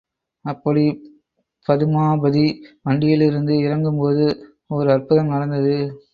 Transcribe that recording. அப்படிப் பதுமாபதி வண்டியிலிருந்து இறங்கும்போது ஓர் அற்புதம் நடந்தது.